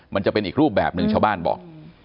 มันจะเป็นอีกรูปแบบหนึ่งชาวบ้านบอก